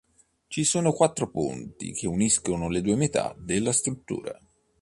Ci sono quattro ponti che uniscono le due metà della struttura.